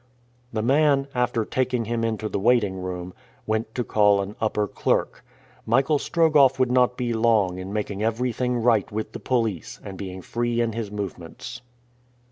The man, after taking him into the waiting room, went to call an upper clerk. Michael Strogoff would not be long in making everything right with the police and being free in his movements.